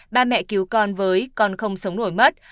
ba mẹ cứu con với con không sống nổi mất